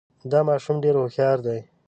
دا ماشوم ډېر هوښیار دی